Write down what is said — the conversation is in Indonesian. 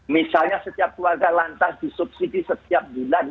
misalnya setiap keluarga lantas disubsidi setiap bulan